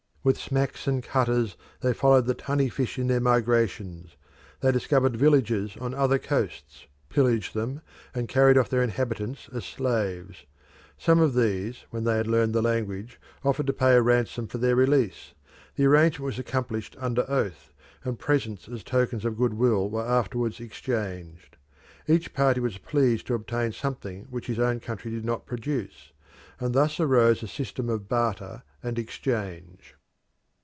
With smacks and cutters they followed the tunny fish in their migrations; they discovered villages on other coasts, pillaged them, and carried off their inhabitants as slaves. Some of these, when they had learnt the language, offered to pay a ransom for their release; the arrangement was accomplished under oath, and presents as tokens of goodwill were afterwards exchanged. Each party was pleased to obtain something which his own country did not produce, and thus arose a system of barter and exchange.